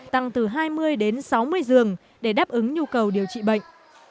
tăng từ hai mươi đến sáu mươi giường để đáp ứng nhu cầu điều trị bệnh